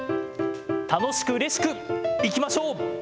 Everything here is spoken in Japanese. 楽しくうれしくいきましょう。